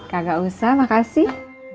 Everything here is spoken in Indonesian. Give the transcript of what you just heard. kagak usah makasih